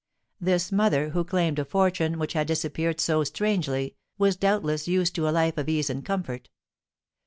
This mother, who claimed a fortune which had disappeared so strangely, was, doubtless, used to a life of ease and comfort.